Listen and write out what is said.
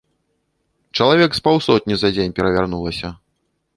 Чалавек з паўсотні за дзень перавярнулася.